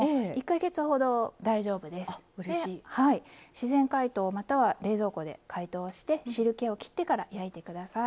自然解凍または冷蔵庫で解凍をして汁けをきってから焼いて下さい。